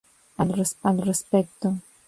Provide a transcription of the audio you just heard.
Al respecto.